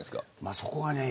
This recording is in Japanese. そこがねえ